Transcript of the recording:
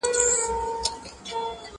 ورته ایښی د مغول د حلوا تال دی؛